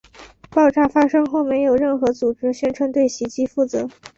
爆炸发生后没有任何组织宣称对袭击负责。